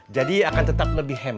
jadi akan tetap lebih hemat